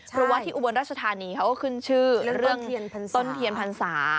เพราะว่าที่อุบลราชธานีเขาก็ขึ้นชื่อเรื่องต้นเทียนพรรษา